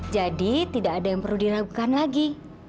jadi tidak ada yang perlu diragukan lagi